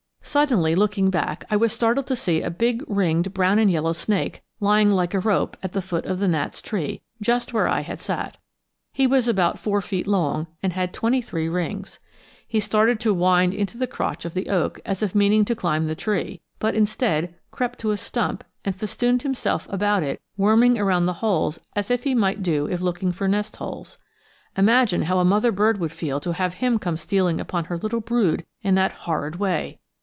Suddenly, looking back, I was startled to see a big ringed brown and yellow snake lying like a rope at the foot of the gnat's tree, just where I had sat. He was about four feet long, and had twenty three rings. He started to wind into the crotch of the oak as if meaning to climb the tree, but instead, crept to a stump and festooned himself about it worming around the holes as he might do if looking for nest holes. Imagine how a mother bird would feel to have him come stealing upon her little brood in that horrid way!